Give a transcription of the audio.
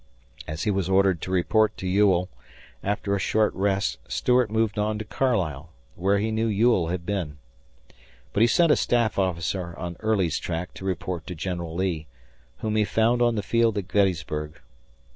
As he was ordered to report to Ewell, after a short rest Stuart moved on to Carlisle, where he knew Ewell had been. But he sent a staff officer on Early's track to report to General Lee, whom he found on the field of Gettysburg.